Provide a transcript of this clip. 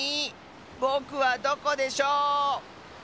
ぼくはどこでしょう？